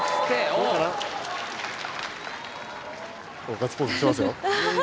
おうガッツポーズしてますよ。